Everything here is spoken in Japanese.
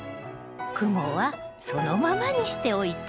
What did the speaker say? クモはそのままにしておいて。